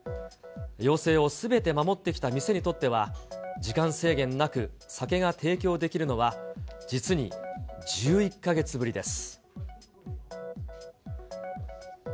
要請をすべて守ってきた店にとっては時間制限なく酒が提供できるのは実に１１か月ぶりです。